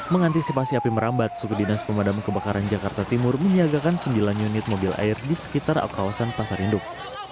mengantisipasi api merambat suku dinas pemadam kebakaran jakarta timur menyiagakan sembilan unit mobil air di sekitar kawasan pasar induk